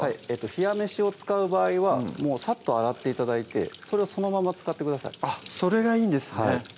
冷や飯を使う場合はさっと洗って頂いてそれをそのまま使ってくださいそれがいいんですね